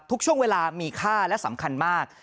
ทุกช่วงเวลามีค่าและสำคัญมาก